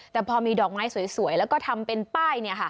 แต่พอมีดอกไม้สวยแล้วก็ทำเป็นป้าย